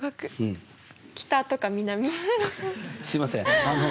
すいません